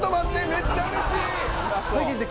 めっちゃうれしい！